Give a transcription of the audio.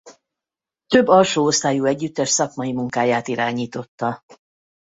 Több alsó osztályú együttes szakmai munkáját irányította.